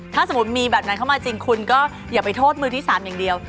ถ้าสมมุติมีแบบนั้นเข้ามาจริงคุณก็อย่าไปโทษมือที่๓อย่างเดียว